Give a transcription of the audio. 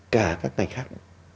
cả các ngành khác